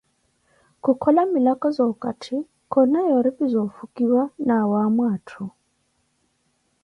Kukhola milako za okatti, koona yoori pi za ofukiwa na awaamo atthu